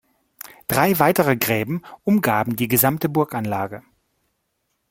Drei weitere Gräben umgaben die gesamte Burganlage.